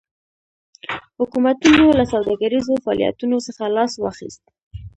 حکومتونو له سوداګریزو فعالیتونو څخه لاس واخیست.